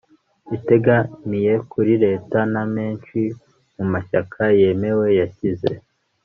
itegamiye kuri Leta na menshi mu mashyaka yemewe Yashyize